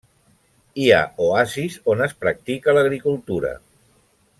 Hi ha oasis on es practica l'agricultura.